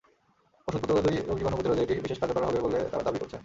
ওষুধ-প্রতিরোধী রোগজীবাণু প্রতিরোধে এটি বিশেষ কার্যকর হবে বলে তাঁরা দাবি করছেন।